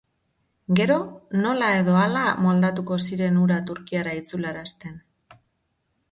Gero, nola edo hala moldatuko ziren hura Turkiara itzularazten.